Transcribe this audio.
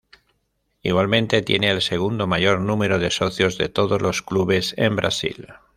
Igualmente, tiene el segundo mayor número de socios de todos los clubes en Brasil.